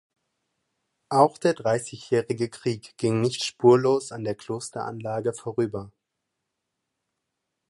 Auch der Dreißigjährige Krieg ging nicht spurlos an der Klosteranlage vorüber.